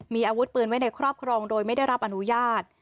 มีอาวุธปืนไว้ในครอบครองโดยไม่ได้รับอนุญาต